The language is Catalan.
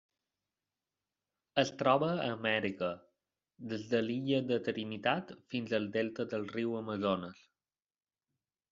Es troba a Amèrica: des de l'illa de Trinitat fins al delta del riu Amazones.